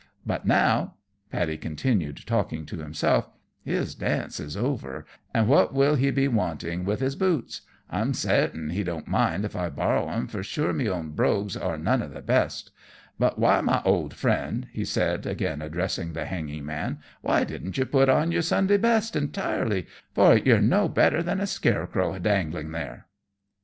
But now," Paddy continued, talking to himself, "his dance is over, and what will he be wanting with his boots? I'm sartain he won't mind if I borrow them, for sure me own brogues are none of the best. But why, my auld Friend," he said, again addressing the hanging man, "why didn't yer put on yer Sunday best intirely, for yer no better than a scarecrow dangling there?"